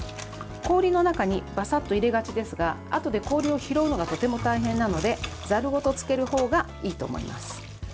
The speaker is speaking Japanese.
氷の中にばさっと入れがちですがあとで氷を拾うのがとても大変なのでざるごとつけるほうがいいと思います。